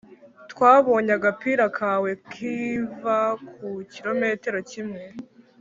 twabonye agapira kawe 'kiva ku kirometero kimwe. "